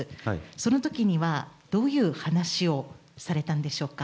そのときには、どういう話をされたんでしょうか？